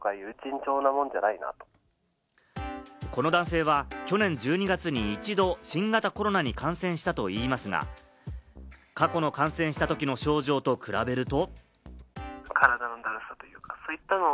この男性は去年１２月に一度、新型コロナに感染したといいますが、過去の感染したときの症状と比べると。